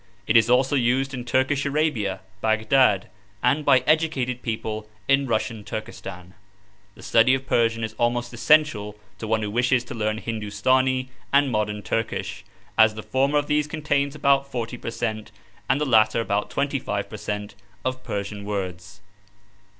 It is also used in Turkish Arabia (Baghdad), and by educated people in Russian Turkestan. The study of Persian is almost essential to one who wishes to learn Hindustani and modern Turkish, as the former of these contains about 40 per cent, and the latter about 25 per cent, of Persian words.